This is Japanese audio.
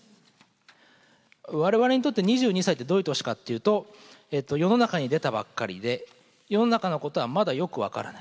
我々にとって２２歳ってどういう年かっていうと世の中に出たばっかりで世の中のことはまだよく分からない。